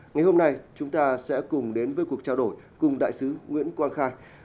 ngày hôm nay chúng ta sẽ cùng đến với cuộc trao đổi cùng đại sứ nguyễn quang khai